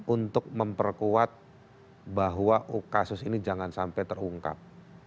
untuk memperkuat bahwa kasus ini jangan sampai terungkap